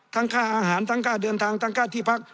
ค่าอาหารทั้งค่าเดินทางทั้งค่าที่พัก